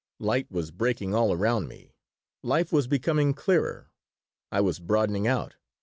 Light was breaking all around me. Life was becoming clearer. I was broadening out.